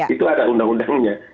itu ada undang undangnya